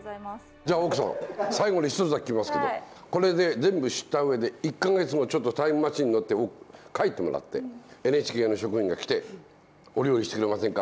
じゃあ奥さん最後に一つだけ聞きますけどこれで全部知ったうえで１か月後タイムマシンに乗って帰ってもらってＮＨＫの職員が来て「お料理してくれませんか」